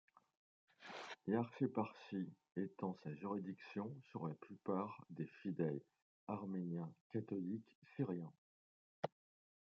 L'archéparchie étend sa juridiction sur la plupart des fidèles arméniens catholiques syriens.